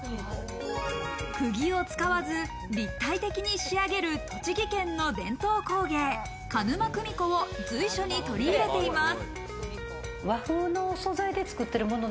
くぎを使わず立体的に仕上げる栃木県の伝統工芸・鹿沼組子を随所に取り入れています。